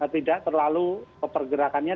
tidak terlalu pergerakannya